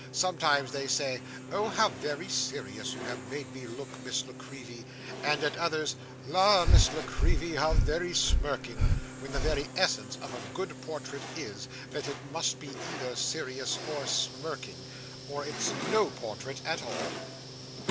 Sometimes they say, "Oh, how very serious you have made me look, Miss La Creevy!" and at others, "La, Miss La Creevy, how very smirking!" when the very essence of a good portrait is, that it must be either serious or smirking, or it's no portrait at all.